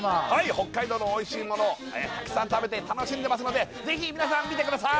北海道のおいしいものをたくさん食べて楽しんでますのでぜひ皆さん、見てください！